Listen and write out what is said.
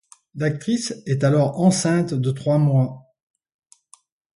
L'actrice est alors enceinte de trois mois.